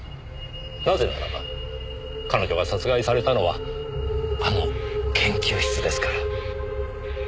なぜならば彼女が殺害されたのはあの研究室ですから。